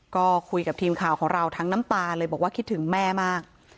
ก็คุยกับทีมข่าวของเราทั้งน้ำตาเลยบอกว่าคิดถึงแม่มาก